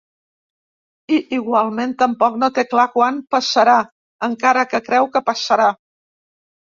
I igualment, tampoc no té clar quan passarà, encara que creu que passarà.